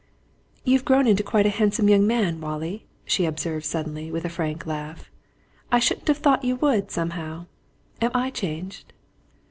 "You've grown into quite a handsome young man, Wallie!" she observed suddenly, with a frank laugh. "I shouldn't have thought you would, somehow. Am I changed?"